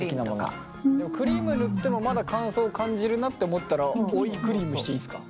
クリーム塗ってもまだ乾燥を感じるなって思ったら追いクリームしていいですか？